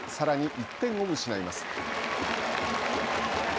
１点を失います。